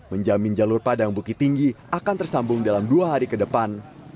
menjamin jalur padang bukit tinggi akan tersambung dalam dua hari ke depan